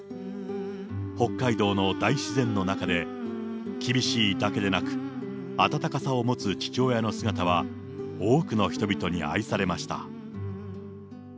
北海道の大自然の中で、厳しいだけでなく、温かさを持つ父親の姿は、多くの人々に愛されました。